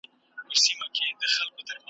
په زاریو ننواتو سوه ګویانه ,